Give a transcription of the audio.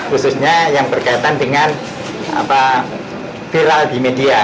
khususnya yang berkaitan dengan viral di media